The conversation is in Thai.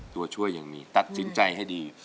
ตัวช่วยยังมีตัดสินใจให้ดี